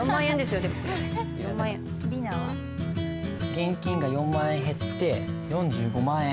現金が４万円減って４５万円。